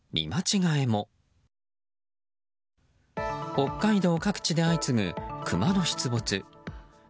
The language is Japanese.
北海道各地で相次ぐクマの出没。